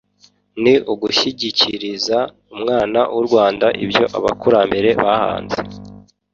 Ni ugushyikiriza umwana w’u Rwanda ibyo abakurambere bahanze